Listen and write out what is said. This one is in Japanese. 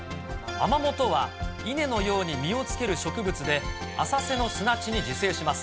アマモとは、イネのように実をつける植物で、浅瀬の砂地に自生します。